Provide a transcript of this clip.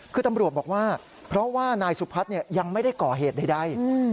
คือตำรวจบอกว่าเพราะว่านายสุพัฒน์ยังไม่ได้ก่อเหตุใด